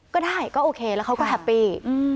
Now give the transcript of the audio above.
ก็ได้ก็โอเคแล้วเขาก็แฮปปี้